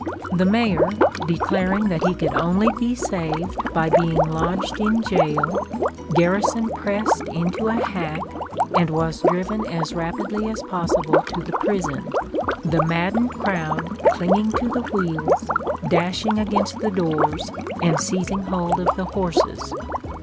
The Mayor declaring that he could only be saved by being lodged in jail, Garrison pressed into a hack, and was driven as rapidly as possible to the prison, the maddened crowd clinging to the wheels, dashing against the doors and seizing hold of the horses.